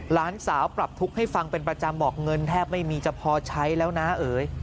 หลานสาวปรับทุกข์ให้ฟังเป็นประจำบอกเงินแทบไม่มีจะพอใช้แล้วนะเอ๋ย